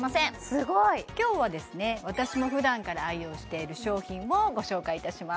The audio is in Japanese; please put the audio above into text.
すごい！今日は私もふだんから愛用している商品をご紹介いたします